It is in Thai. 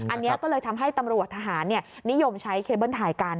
อันนี้ก็เลยทำให้ตำรวจทหารนิยมใช้เคเบิ้ลถ่ายกัน